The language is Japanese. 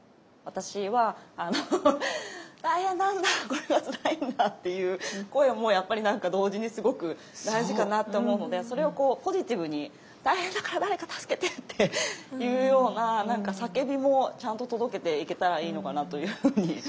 私は大変なんだこれはつらいんだっていう声もやっぱり何か同時にすごく大事かなと思うのでそれをこうポジティブに「大変だから誰か助けて」っていうような何か叫びもちゃんと届けていけたらいいのかなというふうに。